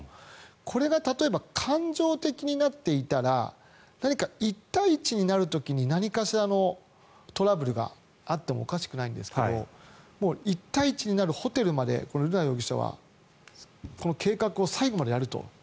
これが例えば感情的になっていたら何か１対１になる時に何かしらのトラブルがあってもおかしくないんですけど１対１になるホテルまで瑠奈容疑者は計画を最後までやると。